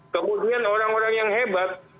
kemudian orang orang yang hebat